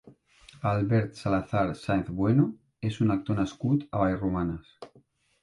Albert Salazar Sáncez-Bueno és un actor nascut a Vallromanes.